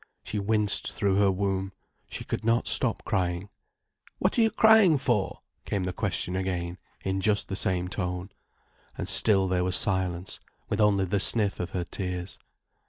She winced through her womb. She could not stop crying. "What are you crying for?" came the question again, in just the same tone. And still there was silence, with only the sniff of her tears.